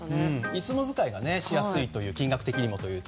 いつも使いがしやすいという、金額的にも。